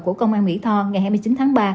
của công an mỹ tho ngày hai mươi chín tháng ba